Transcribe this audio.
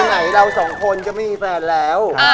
ว่าหล่ะว่าเราสองคนก็ไม่มีแฟนแล้ว